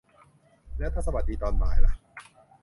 แล้วถ้าสวัสดีตอนบ่ายล่ะ